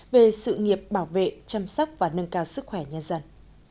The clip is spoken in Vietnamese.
về sự nghiệp bảo vệ chăm sóc và nâng cao sức khỏe nhân dân